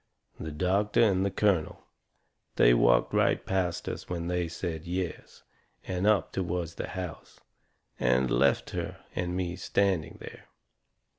The doctor and the colonel, they walked right past us when she said yes, and up toward the house, and left her and me standing there.